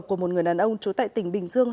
của một người đàn ông trú tại tỉnh bình dương